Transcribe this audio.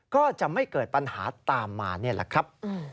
ก็จะไม่เกิดปัญหาตามมานี่แหละครับ